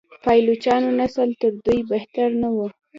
پایلوچانو نسل تر دوی بهتر نه و.